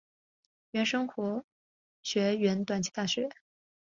原生活学园短期大学。